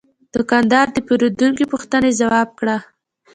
دوکاندار د پیرودونکي پوښتنه ځواب کړه.